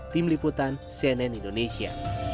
tim liputan cnn indonesia